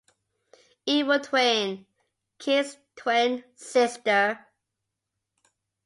"Evil Twin" - Keith's twin sister.